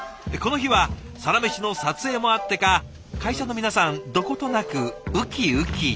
この日は「サラメシ」の撮影もあってか会社の皆さんどことなくウキウキ。